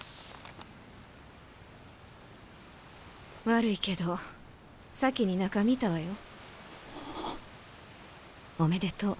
悪いけど先に中見たわよ。おめでとう。